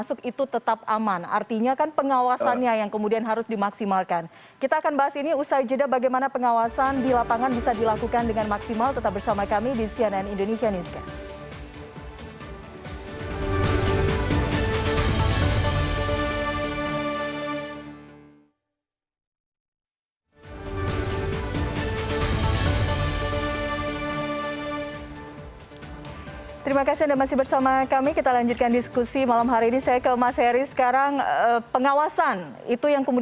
sebenarnya tidak ada keadaannya lagi gitu ya